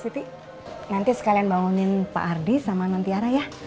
siti nanti sekalian bangunin pak ardi sama nantiara ya